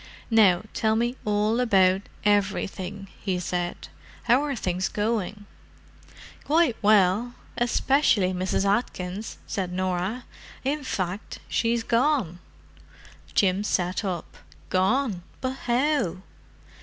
"Now tell me all about everything," he said. "How are things going?" "Quite well—especially Mrs. Atkins," said Norah. "In fact she's gone!" Jim sat up. "Gone! But how?"